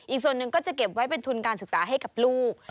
อีกส่วนหนึ่งก็จะเก็บไว้เป็นทุนการศึกษาให้กับลูก